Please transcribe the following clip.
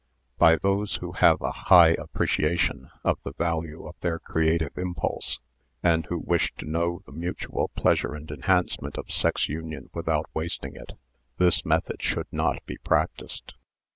By those who have a high appre Mutual Adjustment 53 ciation ot the value of their creative impulse, and who wish to know the mutual pleasure and enhancement of ' sex union without wasting it, this method should not be practised.